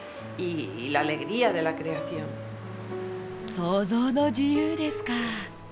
創造の自由ですか！